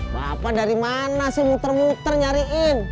bapak dari mana sih muter muter nyariin